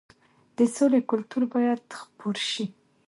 د سولې کلتور باید خپور شي.